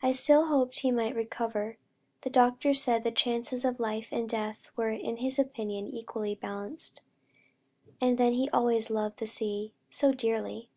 I still hoped he might recover the doctor said the chances of life and death were in his opinion equally balanced and then he always loved the sea so dearly!